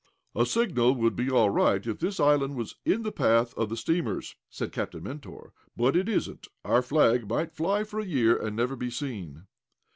"A signal would be all right, if this island was in the path of the steamers," said Captain Mentor. "But it isn't. Our flag might fly for a year, and never be seen."